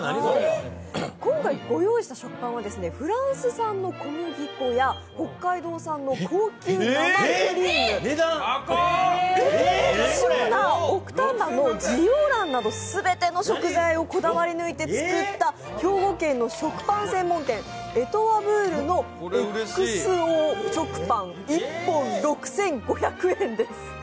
今回ご用意した食パンはフランス産の小麦粉や北海道産の高級生クリーム、奥丹波の地鶏卵など全ての食材をこだわり抜いて作った、兵庫県の食パン専門店レトワブールのＸＯ食パン、１本６５００円です。